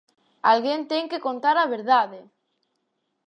Alguén ten que contar a verdade!